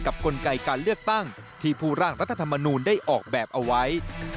กลไกการเลือกตั้งที่ผู้ร่างรัฐธรรมนูลได้ออกแบบเอาไว้